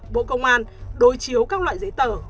bộ công an đối chiếu các loại giấy tờ